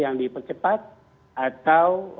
yang dipercepat atau